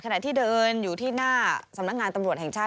ขณะที่เดินอยู่ที่หน้าสำนักงานตำรวจแห่งชาติ